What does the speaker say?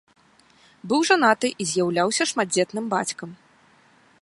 Быў жанаты і з'яўляўся шматдзетным бацькам.